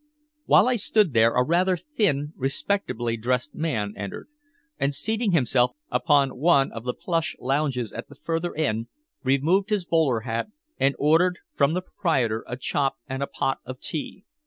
While I stood there a rather thin, respectably dressed man entered, and seating himself upon one of the plush lounges at the further end, removed his bowler hat and ordered from the proprietor a chop and a pot of tea.